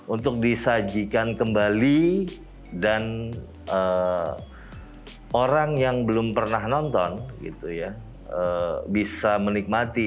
untuk disajikan kembali dan orang yang belum pernah nonton gitu ya bisa menikmati